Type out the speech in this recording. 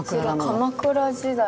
鎌倉時代。